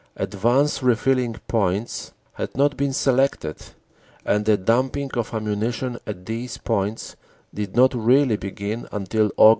Advance refilling points had not been selected, and the dumping of ammunition at these points did not really begin until Aug.